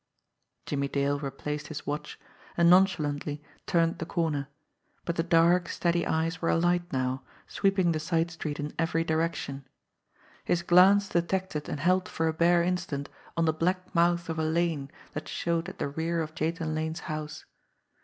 Jimmie Dale replaced his watch, and nonchalantly turned the corner ; but the dark, steady eyes were alight now, sweep ing the side street in every direction. His glance detected 17 18 JIMMIE DALE AND THE PHANTOM CLUE and held for a bare instant on the black mouth of a lane that showed at the rear of Jathan Lane's house.